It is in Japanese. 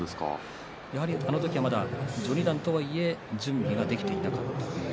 あの時は、まだ序二段とはいえ準備ができていなかった。